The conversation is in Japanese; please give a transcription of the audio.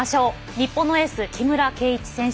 日本のエース木村敬一選手。